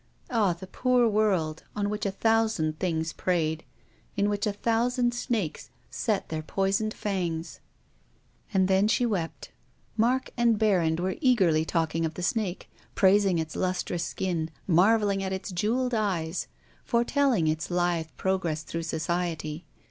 Ah ! the poor world, on which a thousand things preyed, in which a thousand snakes set their poisoned fangs ! 158 TONGUES OF CONSCIENCE. And then she wept. Mark and Berrand were eagerly talking of the snake, praising its lustrous skin, marvelling at its jewelled eyes, foretelling its lithe progress through Society.